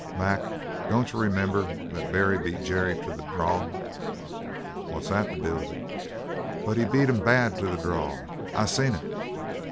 "Mac, don't you remember that Barry beat Jerry to the draw?" "What's that to do with it?" "But he beat him bad to the draw. I seen it.